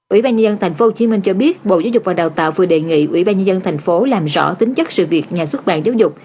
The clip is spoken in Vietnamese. ủy ban nhân dân tp hcm cho biết bộ giáo dục và đào tạo vừa đề nghị ủy ban nhân dân tp hcm làm rõ tính chất sự việc nhà xuất bản giáo dục